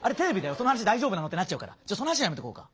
その話大丈夫なの？ってなっちゃうからちょっとその話やめとこうか。